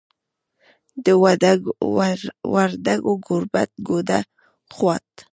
د وردګو ګوربت، ګوډه، خوات